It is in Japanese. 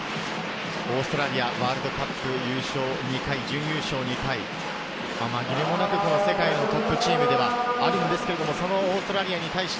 オーストラリア、ワールドカップ優勝２回、準優勝２回、まぎれもなく世界のトップチームであるんですけれど、そのオーストラリアに対して、